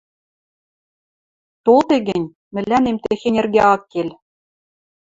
– Толде гӹнь, мӹлӓнем техень эргӹ ак кел...